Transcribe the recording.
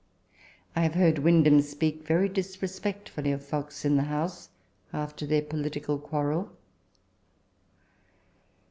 I have heard Windham speak very disrespectfully of Fox in the House, after their political quarrel.